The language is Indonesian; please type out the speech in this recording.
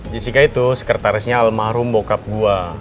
jessica itu sekretarisnya almarhum bokap gua